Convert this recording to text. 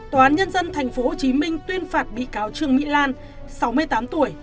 tòa án nhân dân tp hcm tuyên phạt bị cáo trương mỹ lan sáu mươi tám tuổi